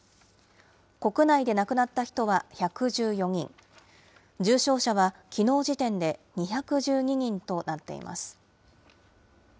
国内で亡くなった人は１１４人、重症者はきのう時点で２１２人となっています。